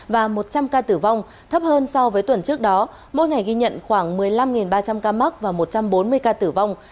và một trăm linh ca tử vong thấp hơn so với tuần trước đó mỗi ngày ghi nhận khoảng một mươi năm ba trăm linh ca mắc và một trăm bốn mươi ca tử vong